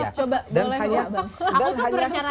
aku tuh berencananya pengen ambil pakai satu tangan